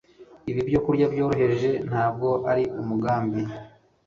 ibi byokurya byoroheje Ntabwo ari umugambi